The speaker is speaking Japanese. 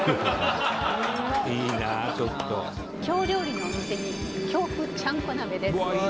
「京料理のお店に京風ちゃんこ鍋です」